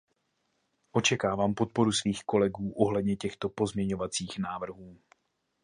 Očekávám podporu svých kolegů ohledně těchto pozměňovacích návrhů.